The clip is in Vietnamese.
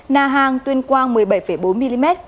nà hàng tuyên quang một mươi bảy bốn mm